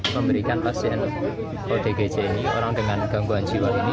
memberikan pasien odgj ini orang dengan gangguan jiwa ini